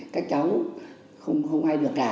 các cháu không ai được cả